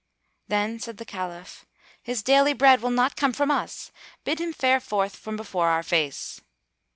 '" Then said the Caliph, "His daily bread will not come from us: bid him fare forth from before our face."